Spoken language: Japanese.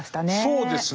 そうですね。